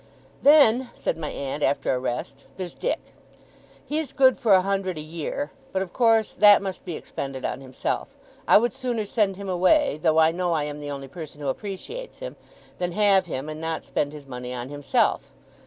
'Then,' said my aunt, after a rest, 'there's Dick. He's good for a hundred a year, but of course that must be expended on himself. I would sooner send him away, though I know I am the only person who appreciates him, than have him, and not spend his money on himself.